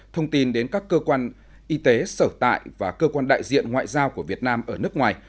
thông tin đến các cơ quan y tế sở tại và cơ quan đại diện ngoại giao của việt nam ở nước ngoài